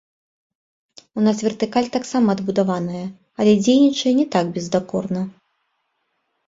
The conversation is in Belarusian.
У нас вертыкаль таксама адбудаваная, але дзейнічае не так бездакорна.